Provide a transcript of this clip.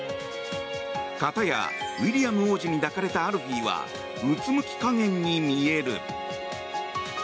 かたやウィリアム王子に抱かれたアルフィーはうつむき加減に見える。